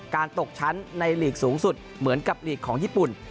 ตกชั้นในหลีกสูงสุดเหมือนกับลีกของญี่ปุ่น